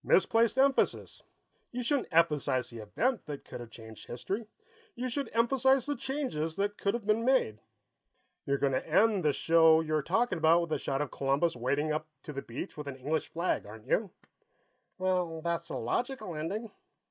"Misplaced emphasis. You shouldn't emphasize the event that could have changed history; you should emphasize the changes that could have been made. You're going to end this show you were talking about with a shot of Columbus wading up to the beach with an English flag, aren't you?" "Well, that's the logical ending."